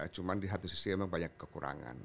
cuma di satu sisi memang banyak kekurangan